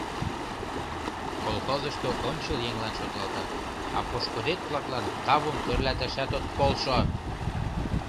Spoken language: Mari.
Колхозышто ончыл еҥлан шотлалтат, а пошкудет-влаклан тавым тӧрлаташат от полшо!